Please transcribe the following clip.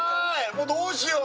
もうどうしよう